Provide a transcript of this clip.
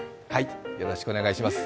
よろしくお願いします。